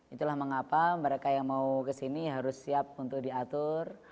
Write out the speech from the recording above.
itulah mengapa mereka yang mau kesini harus siap untuk diatur